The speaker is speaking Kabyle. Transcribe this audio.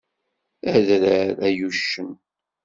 Adrar, ay uccen!